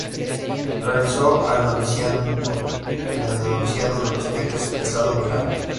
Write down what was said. Realizó el noviciado en el Noviciado de Los Teques, Estado Miranda.